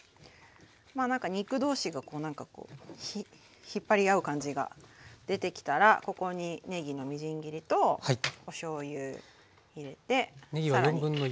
肉同士がなんかこう引っ張り合う感じが出てきたらここにねぎのみじん切りとおしょうゆ入れて。